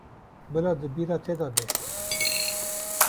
Bila di bîra te de be.